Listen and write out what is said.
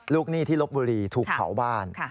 หนี้ที่ลบบุรีถูกเผาบ้าน